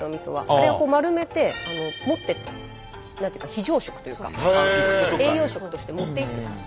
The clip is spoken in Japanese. あれを丸めて持っていった非常食というか栄養食として持っていってたんです。